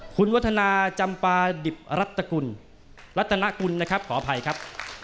คุณวัฒนาจำปาดิบรัตนกุลขออภัยครับ